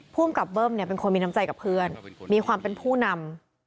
ภูมิกับเบิ้มเนี่ยเป็นคนมีน้ำใจกับเพื่อนมีความเป็นผู้นำ